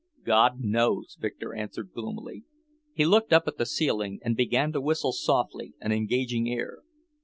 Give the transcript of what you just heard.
"God knows," Victor answered gloomily. He looked up at the ceiling and began to whistle softly an engaging air.